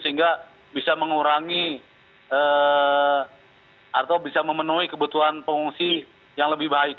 sehingga bisa mengurangi atau bisa memenuhi kebutuhan pengungsi yang lebih baik